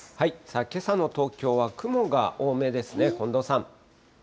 けさの東京は雲が多めですね、近藤さん。